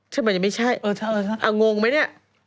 หมายถึงไม่ใช่อ่ะงงไหมเนี่ย